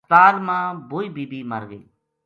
ہسپتال ما بوئی بی بی مر گئی